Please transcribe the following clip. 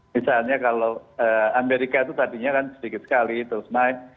misalnya kalau amerika itu tadinya kan sedikit sekali terus naik